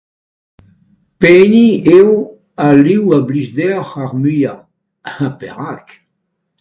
Pehini eo al liv a blij deoc'h ar muiañ ha perak ?